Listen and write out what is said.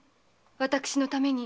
私のために。